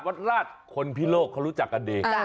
วัดราชคนพิโลกเขารู้จักกันดี